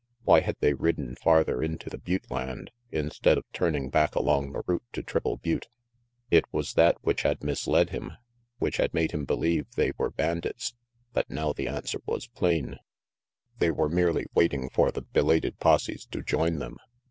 Why had they ridden farther into the butte land, instead of turning back along the route to Triple Butte? It was that which had RANGY PETE 333 misled him, which had made him believe they were bandits; but now the answer was plain. They were merely waiting for the belated posses to join them.